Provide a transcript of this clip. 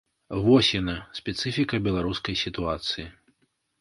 Вось яна, спецыфіка беларускай сітуацыі.